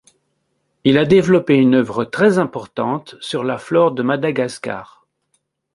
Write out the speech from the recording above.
Il a développé une œuvre très importante sur la flore de Madagascar.